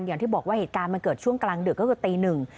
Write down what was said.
อย่างที่บอกว่าเหตุการณ์มันเกิดช่วงกลางดึกก็คือตีหนึ่ง